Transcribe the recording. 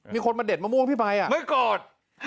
มีคนมาเด็ดมะม่วงพี่ใบไม่กอด